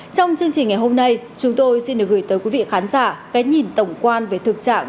trong chương trình ngày hôm nay chúng tôi xin được gửi tới quý vị khán giả cái nhìn tổng quan về thực trạng